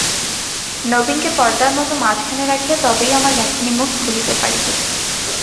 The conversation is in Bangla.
নবীনকে পর্দার মতো মাঝখানে রাখিয়া তবেই আমার লেখনী মুখ খুলিতে পারিল।